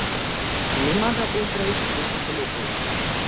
Нема да оздравиш без да се лекуваш.